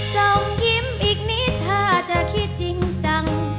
ส่งยิ้มอีกนิดถ้าจะคิดจริงจัง